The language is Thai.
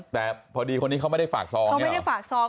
แต่พอดีคนนี้เขาไม่ได้ฝากซอง